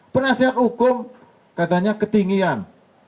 penasihat hukum katanya ketinggian